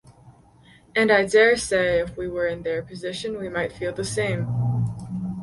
And I daresay if we were in their position we might feel the same!